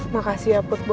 makasih ya bu